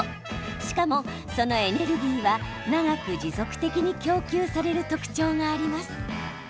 しかも、そのエネルギーは長く持続的に供給される特徴があります。